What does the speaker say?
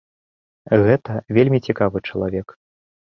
Гэта вельмі цікавы чалавек.